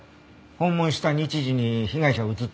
訪問した日時に被害者は映ってた？